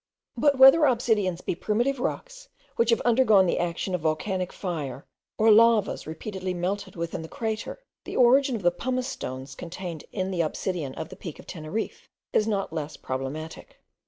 But whether obsidians be primitive rocks which have undergone the action of volcanic fire, or lavas repeatedly melted within the crater, the origin of the pumice stones contained in the obsidian of the Peak of Teneriffe is not less problematic.